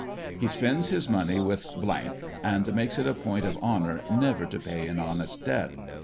He spends his money with , and makes it a point of honour never to pay an honest debt.